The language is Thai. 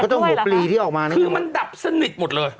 ก็ต้องหกปลีที่ออกมานะครับคือมันดับซะนิดหมดเลย